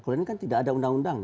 kalau ini kan tidak ada undang undang